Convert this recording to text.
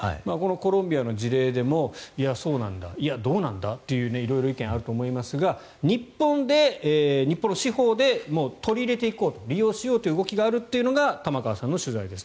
コロンビアの事例でもそうなんだいや、どうなんだという意見あると思いますが日本の司法でももう取り入れていこう利用しようという動きがあるというのが玉川さんの取材です。